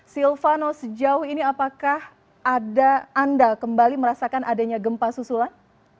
silvano sejauh ini apakah ada anda kembali merasakan adanya gempa susulan